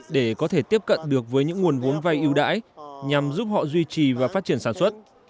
để có thể tiếp cận được với những nguồn vốn vay ưu đãi nhằm giúp họ duy trì và phát triển sản xuất